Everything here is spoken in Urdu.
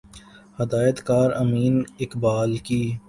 ہدایت کار امین اقبال کی